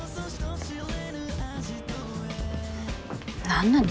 何なの？